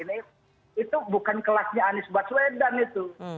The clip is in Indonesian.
itu bukan kelasnya anies baswedan itu